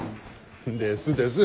ですです！